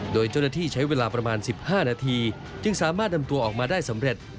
โดยเจ้าหน้าที่ใช้เวลาประมาณ๑๕นาทีจึงสามารถนำตัวออกมาได้สำเร็จ